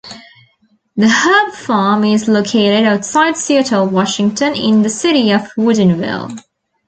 The Herbfarm is located outside Seattle, Washington, in the city of Woodinville.